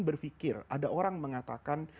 berpikir ada orang mengatakan